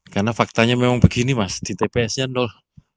karena faktanya memang begini mas di tpsnya ndol